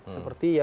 seperti yang bisa